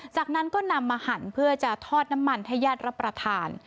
จากนั้นก็นำมาหั่นเพื่อจะทอดน้ำมันให้ญาติรับประทาน